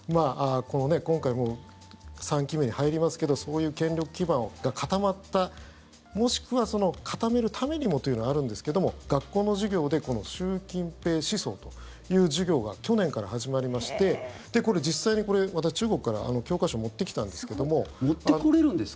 今回も３期目に入りますけどそういう権力基盤が固まったもしくは、固めるためにもというのはあるんですけれども学校の授業で習近平思想という授業が去年から始まりましてこれ実際に私、中国から教科書を持ってきたんですけど。